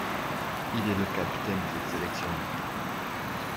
Il est le capitaine de cette sélection.